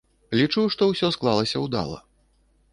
Лічу, што ўсё склалася ўдала.